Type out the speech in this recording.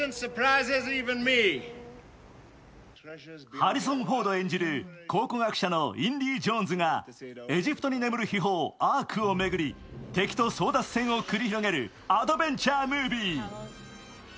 ハリソン・フォード演じる考古学者のインディ・ジョーンズがエジプトに眠る秘宝・アークを巡り敵と争奪戦を繰り広げるアドベンチャームービー。